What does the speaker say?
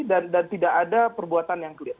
dan tidak ada perbuatan yang kelihatan